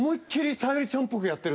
「さゆりちゃん」。